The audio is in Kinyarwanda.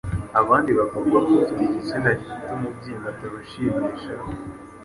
abandi bakavuga ko ufite igitsina gifite umubyimba atabashimisha,